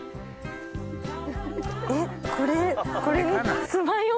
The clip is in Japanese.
えっこれ。